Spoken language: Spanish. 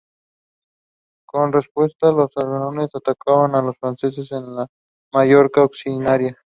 Como respuesta, los aragoneses atacaron a los franceses en Mallorca y Occitania.